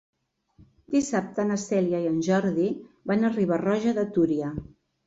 Dissabte na Cèlia i en Jordi van a Riba-roja de Túria.